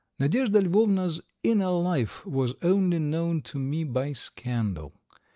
Nadyezhda Lvovna's inner life was only known to me by scandal.